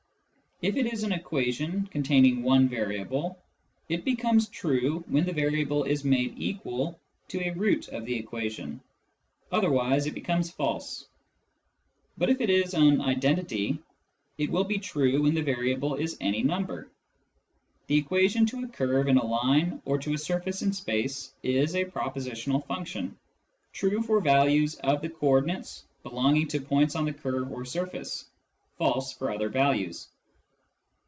If it is an equation containing one variable, it becomes true when the variable is made equal Xo a root of the equation, otherwise it becomes false ; but if it is an " identity " it will be true when the variable is any number. The equation to a curve in a plane or to a surface in space is a propositional function, true for values of the co ordinates belong ing to points on the curve or surface, false for other values.